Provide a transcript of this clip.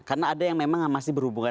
karena ada yang memang masih berhubungan